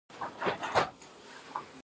د طالبانیزم له اړخونو غافل پاتې نه شو.